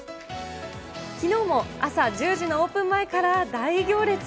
きのうも朝１０時のオープン前から大行列。